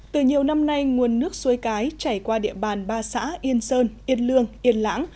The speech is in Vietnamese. từ nhiều năm nay nguồn nước suối cái chảy qua địa bàn ba xã yên sơn yên lương yên lãng